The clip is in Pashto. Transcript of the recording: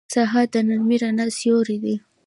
سهار د نرمې رڼا سیوری دی.